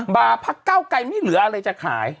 บาร์พักเก้าไกรไม่เหลืออะไรจะขาย